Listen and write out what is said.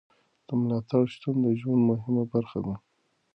د ملاتړ شتون د ژوند مهمه برخه ده.